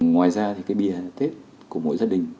ngoài ra thì cái bia là tết của mỗi gia đình